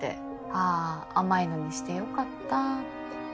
あ甘いのにしてよかったって。